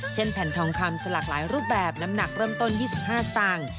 แผ่นทองคำสหลากหลายรูปแบบน้ำหนักเริ่มต้น๒๕สตางค์